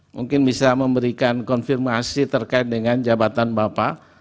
mungkin bisa memberikan konfirmasi terkait dengan jabatan bapak